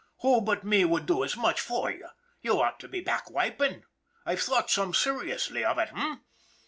Who but me would do as much for you? You ought to be back wiping. I've thought some seriously of it, h'm?